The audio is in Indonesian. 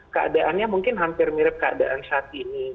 keadaannya mungkin hampir mirip keadaan saat ini